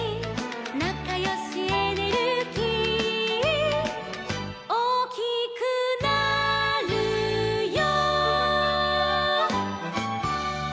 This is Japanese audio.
「なかよしエネルギー」「おおきくなるよ」